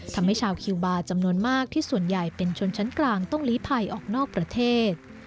ทำให้ชาวคิวบาร์จำนวนมากที่ส่วนใหญ่เป็นชนชั้นกลางต้องลีภัยออกนอกประเทศ